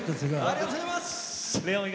ありがとうございます。